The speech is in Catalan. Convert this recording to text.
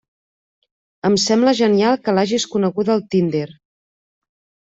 Em sembla genial que l'hagis coneguda a Tinder!